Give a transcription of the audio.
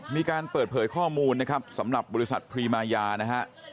มีการเปิดเผยข้อมูลนะครับสำหรับบริษัทพรีมายานะฮะ